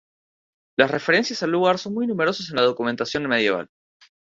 Las referencias al lugar son muy numerosas en la documentación medieval.